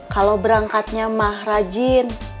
kalau berangkatnya mah rajin rutin nggak pernah bolos